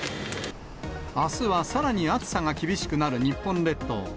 あすはさらに暑さが厳しくなる日本列島。